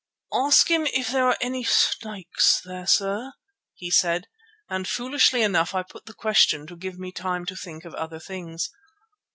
"Ask him if there are any snakes there, sir," he said, and foolishly enough I put the question to give me time to think of other things.